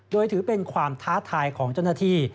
โดยถือเป็นความท้าทายของเจ้าหน้าที่